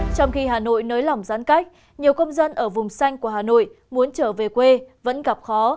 trong khi hà nội nới lỏng giãn cách nhiều công dân ở vùng xanh của hà nội muốn trở về quê vẫn gặp khó